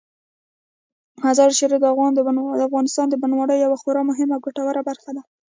مزارشریف د افغانستان د بڼوالۍ یوه خورا مهمه او ګټوره برخه ده.